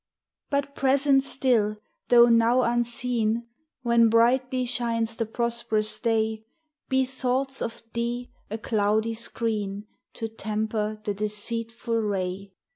But, present still, though now unseen! When brightly shines the prosperous day, Be thoughts of Thee a cloudy screen To temper the deceitful ray.